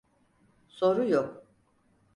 Soru yok.